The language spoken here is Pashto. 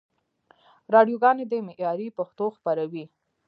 راډیوګاني دي معیاري پښتو خپروي.